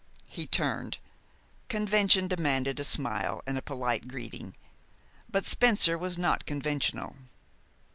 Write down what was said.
He turned. Convention demanded a smile and a polite greeting; but Spencer was not conventional.